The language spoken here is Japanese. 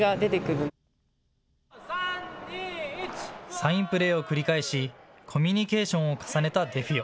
サインプレーを繰り返しコミュニケーションを重ねたデフィオ。